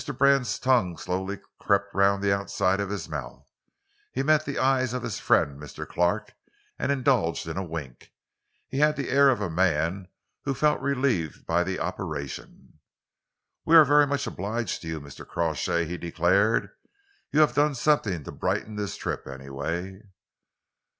Brand's tongue slowly crept round the outside of his mouth. He met the eye of his friend Mr. Clark and indulged in a wink. He had the air of a man who felt relieved by the operation. "We are very much obliged to you, Mr. Crawshay," he declared. "You have done something to brighten this trip, anyway."